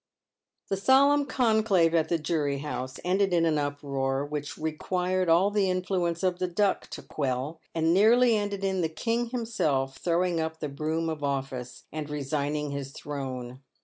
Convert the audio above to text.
The solemn conclave at the Jury House ended in an uproar which required all the influence of the Duck to quell, and nearly ended in the King himself throwing up the broom of office, and resigning his throne.